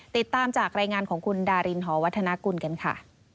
ติดตามจากรายงานของคุณดารินหอวัฒนากุลกันค่ะ